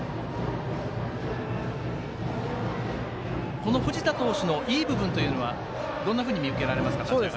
この藤田投手のいい部分どんなふうに見られますか？